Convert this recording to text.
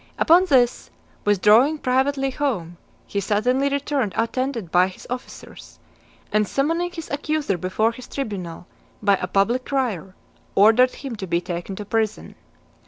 Upon this, withdrawing privately home, he suddenly returned attended by his officers, and summoning his accuser before his tribunal, by a public crier, ordered him to be taken to prison.